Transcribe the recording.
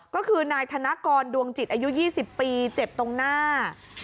ก็คือนายธนกรดวงจิตอายุ๒๐ปีเจ็บตรงหน้า